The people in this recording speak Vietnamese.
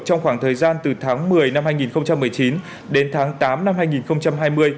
trong khoảng thời gian từ tháng một mươi năm hai nghìn một mươi chín đến tháng tám năm hai nghìn hai mươi